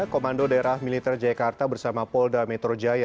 komando daerah militer jakarta bersama polda metro jaya